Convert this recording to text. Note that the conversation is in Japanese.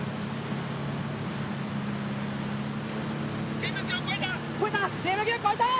・チーム記録超えた！超えた？